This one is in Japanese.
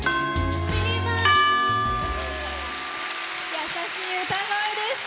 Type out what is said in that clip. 優しい歌声でした。